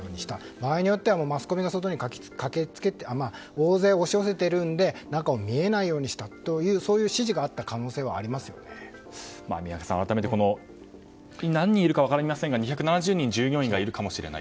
場合によってはマスコミが大勢押し寄せているので中を見えないようにしたという指示があった可能性は宮家さん、改めて何人いるか分かりませんが従業員がいるかもしれないと。